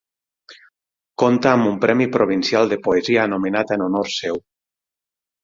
Conta amb un premi provincial de poesia anomenat en honor seu.